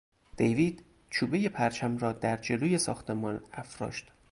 دیوید چوبهی پرچم را در جلو ساختمان افراشت.